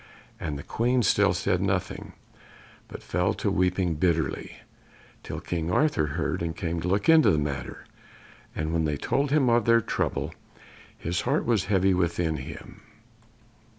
And the Queen still said nothing, but fell to weeping bitterly, till King Arthur heard and came to look into the matter. And when they told him of their trouble his heart was heavy within him.